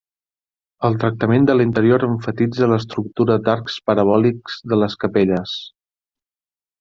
El tractament de l'interior emfatitza l'estructura d'arcs parabòlics de les capelles.